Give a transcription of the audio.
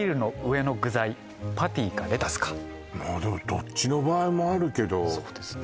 どっちの場合もあるけどそうですね